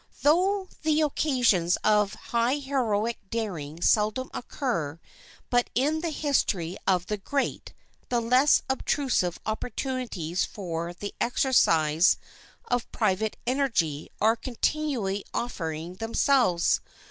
Though the occasions of high heroic daring seldom occur but in the history of the great, the less obtrusive opportunities for the exercise of private energy are continually offering themselves.